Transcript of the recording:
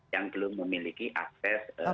yang belum memiliki akses